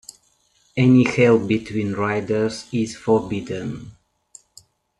Any help between riders is forbidden.